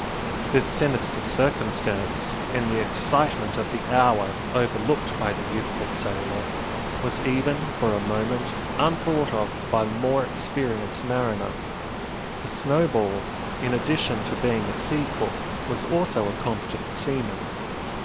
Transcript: This sinister circumstance, in the excitement of the hour overlooked by the youthful sailor, was even, for a moment, unthought of by the more experienced mariner, for Snowball, in addition to being a sea cook, was also a competent seaman.